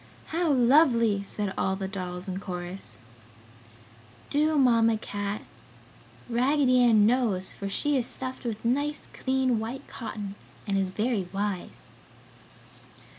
"How lovely!" said all the dolls in chorus. "Do, Mamma Cat! Raggedy Ann knows, for she is stuffed with nice clean white cotton and is very wise!"